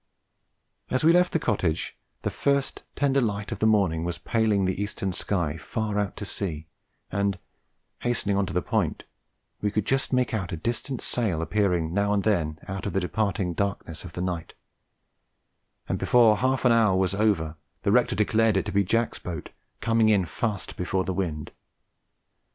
As we left the cottage the first tender light of the morning was paling the eastern sky far out to sea, and hastening on to the Point, we could just make out a distant sail appearing now and then out of the departing darkness of the night, and before half an hour was over the rector declared it to be Jack's boat coming in fast before the wind.